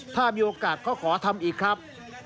ถ้ามีโอกาสก็ขอทำอีกครับ